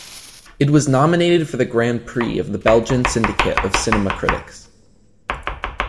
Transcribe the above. It was nominated for the Grand Prix of the Belgian Syndicate of Cinema Critics.